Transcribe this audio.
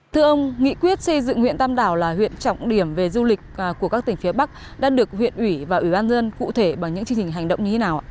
thưa ông nghị quyết xây dựng huyện tam đảo là huyện trọng điểm về du lịch của các tỉnh phía bắc đã được huyện ủy và ủy ban dân cụ thể bằng những chương trình hành động như thế nào ạ